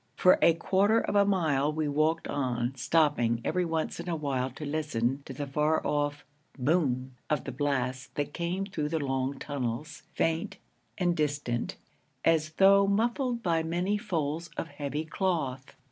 For a quarter of a mile we walked on, stopping every once in a while to listen to the far off 'boom' of the blasts that came through the long tunnels, faint and distant, as though muffled by many folds of heavy cloth.